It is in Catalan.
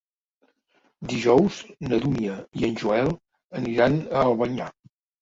Dijous na Dúnia i en Joel aniran a Albanyà.